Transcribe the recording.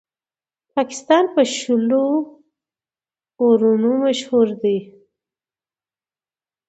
پاکستان په شلو اورونو مشهور دئ.